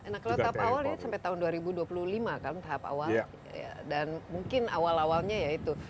nah kalau tahap awal ini sampai tahun dua ribu dua puluh lima kan tahap awal dan mungkin awal awalnya ya itu